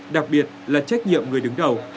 đặc biệt là trách nhiệm người đứng đầu